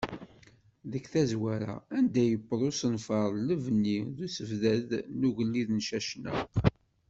Deg tazwara, anda yewweḍ usenfar n lebni n usebddad n ugellid Cacnaq.